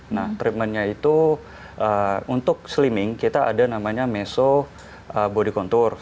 nah treatmentnya itu untuk slimming kita ada namanya meso body counter